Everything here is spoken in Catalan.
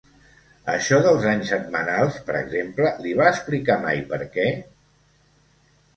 Això dels anys setmanals, per exemple, li va explicar mai per què?